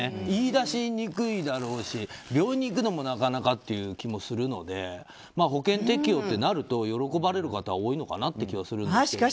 言い出しにくいだろうし病院に行くのもなかなかという気がするので保険適用ってなると喜ばれる方多いのかなという気がします。